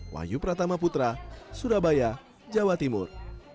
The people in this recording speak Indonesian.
wahyu pratama putra surabaya jawa timur